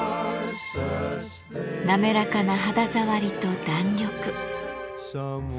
滑らかな肌触りと弾力。